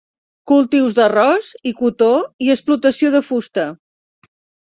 Cultius d'arròs i cotó i explotació de fusta.